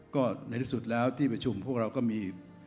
ก็ในที่สุดแล้วที่ประชุมพวกเราก็มี